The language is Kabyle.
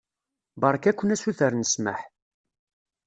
Beṛka-ken asuter n ssmaḥ.